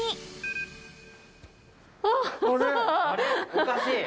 おかしい！